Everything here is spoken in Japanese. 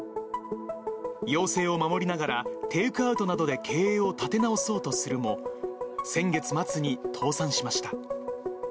要請を守りながら、テイクアウトなどで経営を立て直そうとするも、先月末に倒産しました。